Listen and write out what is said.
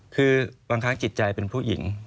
คือบางครั้งจิตใจเป็นผู้หญิง